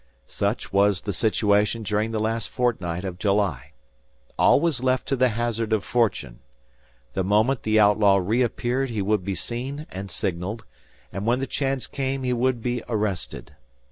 Such was the situation during the last fortnight of July. All was left to the hazard of fortune. The moment the outlaw re appeared he would be seen and signaled, and when the chance came he would be arrested.